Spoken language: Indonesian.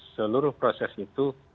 seluruh proses itu